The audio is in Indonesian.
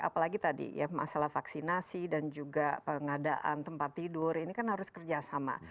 apalagi tadi ya masalah vaksinasi dan juga pengadaan tempat tidur ini kan harus kerjasama